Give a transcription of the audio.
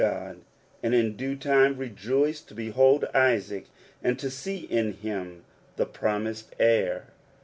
God, and in due time rejoiced to behold Isaac, ar^' . to see in him the promised heir.